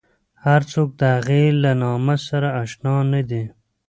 هر څوک د هغې له نامه سره اشنا نه دي.